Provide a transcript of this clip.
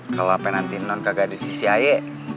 kalau apaan nanti non kagak ada di sisi aya